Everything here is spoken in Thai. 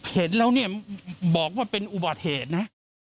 เห็นแล้วเนี่ยบอกว่าเป็นอุบัติเหตุนะ